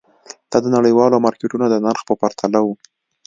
دا د نړیوالو مارکېټونو د نرخ په پرتله وو.